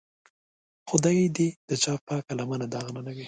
خدای دې د چا پاکه لمن داغ نه لګوي.